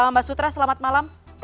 mbak sutra selamat malam